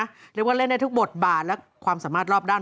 เรียกว่าเล่นได้ทุกบทบาทและความสามารถรอบด้าน